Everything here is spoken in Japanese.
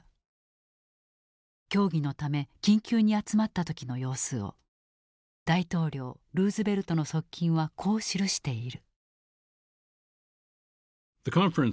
協議のため緊急に集まった時の様子を大統領ルーズベルトの側近はこう記している。